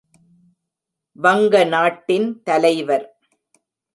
வங்க நாட்டின் தலைவர்.